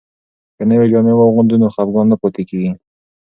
که نوې جامې واغوندو نو خپګان نه پاتې کیږي.